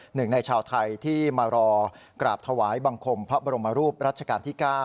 หนึ่งในชาวไทยที่มารอกราบถวายบังคมพระบรมรูปรัชกาลที่๙